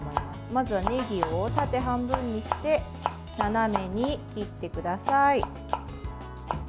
まずは、ねぎを縦半分にして斜めに切ってください。